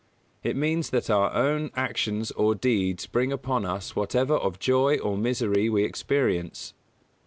It means that our own actions or deeds bring upon us whatever of joy or misery we experience.